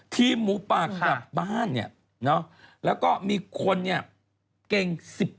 ทีมหมูปะกลับบ้านเนี่ยเนอะแล้วก็มีคนเนี่ยเก็ง๑๘